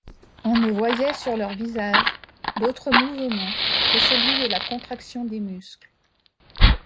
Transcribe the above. On ne voyait sur leurs visages d'autre mouvement que celui de la contraction des muscles.